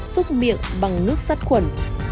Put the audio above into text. xúc miệng bằng nước sắt khuẩn